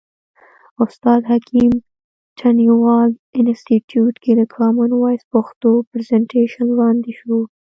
استاد حکیم تڼیوال انستیتیوت کې د کامن وایس پښتو پرزنټیشن وړاندې شو.